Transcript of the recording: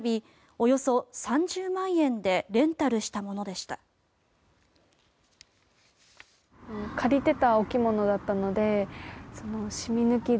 およそ３０万円でレンタルしたものでした。